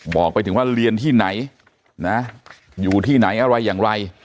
บอกไปถึงว่าเรียนที่ไหนนะอยู่ที่ไหนอะไรอย่างไร